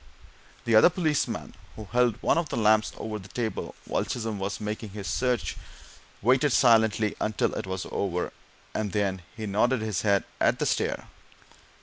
The other policeman, who held one of the lamps over the table while Chisholm was making this search, waited silently until it was over, and then he nodded his head at the stair.